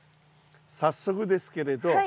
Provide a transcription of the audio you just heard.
早速ですけれど。